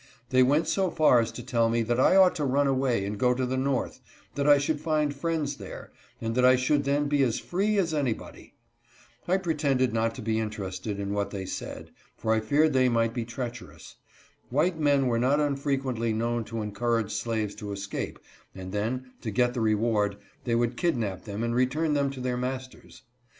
They went so far as to tell me that I ought to run away and go to the north ; that I should find friends there, and that I should then be as free as anybody. I pretended not to be interested in what they said, for I feared they might be treacherous. White men were not unfrequently known to encourage slaves to escape, and then, to get the reward, they would kidnap them and return them to their masters.